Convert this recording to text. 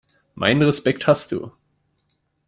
Meinen Respekt hast du.